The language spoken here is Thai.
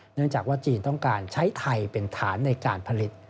เนื่องจากว่าจีนต้องการใช้ไทยเป็นฐานในการผลิต